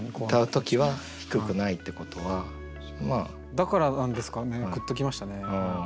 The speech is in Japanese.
だからなんですかねグッときましたね。